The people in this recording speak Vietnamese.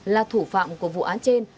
là thủ phạm của vụ án trên